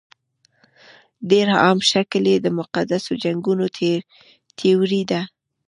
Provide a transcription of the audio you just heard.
ډېر عام شکل یې د مقدسو جنګونو تیوري ده.